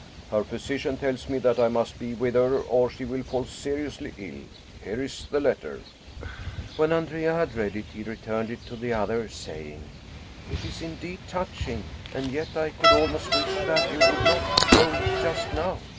Her physician tells me that I must be with her or she will fall seriously ill. Here is the letter." When Andrea had read it he returned it to the other, saying :" It is indeed touching, and yet I could almost wish that you would not go just now.